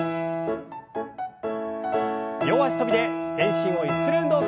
両脚跳びで全身をゆする運動から。